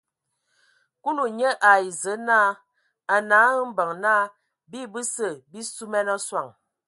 Kulu nye ai Zǝə naa: A nǝ hm mbeŋ naa bii bəse bii suman a soŋ.